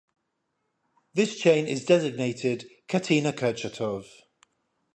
This chain is designated Catena Kurchatov.